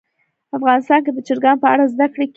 افغانستان کې د چرګان په اړه زده کړه کېږي.